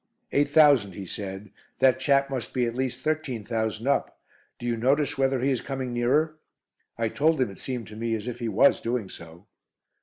"Eight thousand," he said. "That chap must be at least thirteen thousand up. Do you notice whether he is coming nearer?" I told him it seemed to me as if he was doing so.